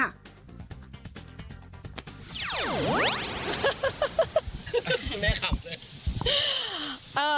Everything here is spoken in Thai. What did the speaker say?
คุณแม่ขำเลย